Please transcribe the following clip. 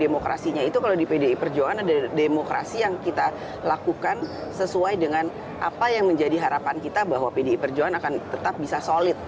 demokrasinya itu kalau di pdi perjuangan ada demokrasi yang kita lakukan sesuai dengan apa yang menjadi harapan kita bahwa pdi perjuangan akan tetap bisa solid